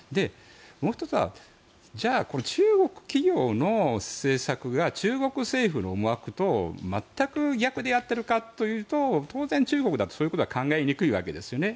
もう１つはじゃあ、中国企業の政策が中国政府の思惑と全く逆でやっているかというと当然、中国だってそういうことは考えにくいわけですよね。